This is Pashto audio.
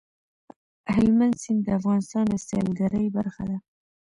هلمند سیند د افغانستان د سیلګرۍ برخه ده.